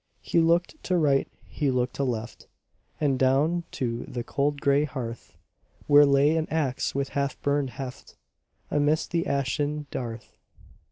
He looked to right, he looked to left, And down to the cold grey hearth, Where lay an axe with half burned heft Amidst the ashen dearth.